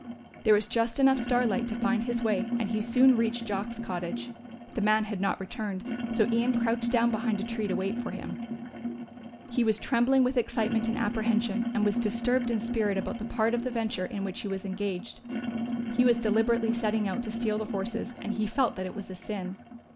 There was just enough starlight to find his way and he soon reached Jock's cottage. The man had not returned, so Ian crouched down behind a tree to wait for him. He was trembling with excitement and apprehension and was disturbed in spirit about the part of the venture in which he was engaged. He was deliberately setting out to steal the horses and he felt that it was a sin.